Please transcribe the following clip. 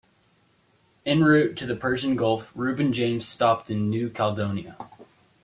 En route to the Persian Gulf, "Reuben James" stopped in New Caledonia.